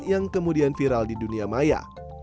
yang kemudian viral di dunia maya